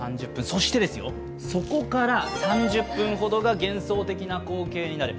そしてですよ、そこから３０分ほどが幻想的な光景になる。